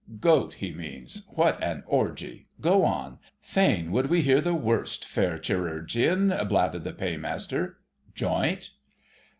"Goat, he means. What an orgie! Go on; fain would we hear the worst, fair chirurgeon," blathered the Paymaster. "Joint?"